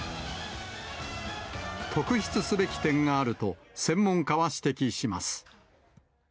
特筆すべき点があると、専門家は指摘します。